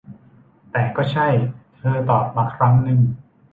แต่ก็ใช่ เธอตอบมาครั้งนึง